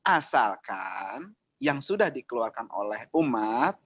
asalkan yang sudah dikeluarkan oleh umat